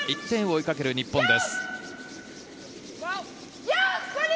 １点を追いかける日本です。